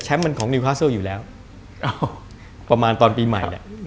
แชมป์มันของนิวฮาเซิลอยู่แล้วประมาณตอนปีใหม่